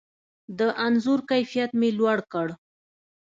د انځور کیفیت مې لوړ کړ.